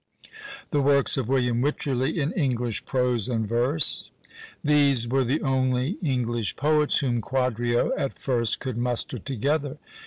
"The works of William Wycherly, in English prose and verse." These were the only English poets whom Quadrio at first could muster together!